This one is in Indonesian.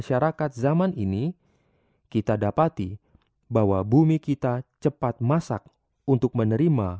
sampai jumpa di video selanjutnya